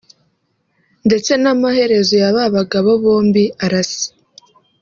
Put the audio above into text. ndetse n’amaherezo y’aba bagabo bombi arasa